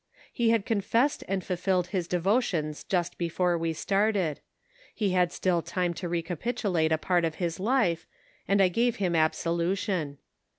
He had confessed and fulfilled his 214 KABBATIVE OF FATHEB DOUAT. devotions just before we started ; he had still time to recapit ulate a part of his life, and I gave him absolution.